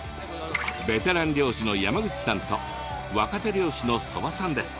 ベテラン漁師の山口さんと若手漁師の曽場さんです。